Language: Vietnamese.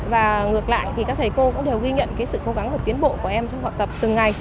và ngược lại thì các thầy cô cũng đều ghi nhận sự cố gắng và tiến bộ của em trong học tập từng ngày